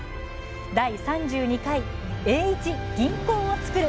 第３２回「栄一、銀行を作る」